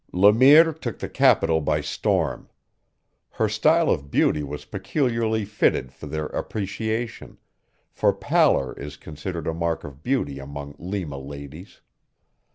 Le Mire took the capital by storm. Her style of beauty was peculiarly fitted for their appreciation, for pallor is considered a mark of beauty among Lima ladies.